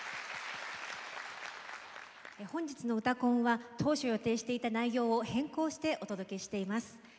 本日の「うたコン」は当初予定していた内容を変更してお届けしています。